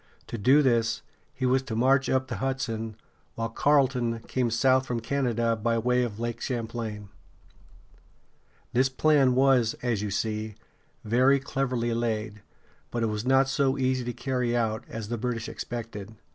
To do this, he was to march up the Hudson, while Carleton came south from Canada by way of Lake Champlain. This plan was, as you see, very cleverly laid; but it was not so easy to carry out as the British expected.